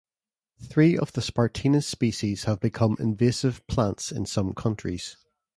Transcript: Three of the "Spartina" species have become invasive plants in some countries.